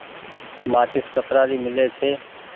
مآچيس ڪترآ ري ميلي ڇي۔